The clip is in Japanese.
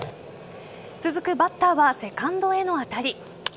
続くバッターはセカンドへの当たり。